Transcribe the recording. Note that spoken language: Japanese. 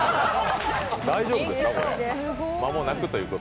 大丈夫ですか、これ。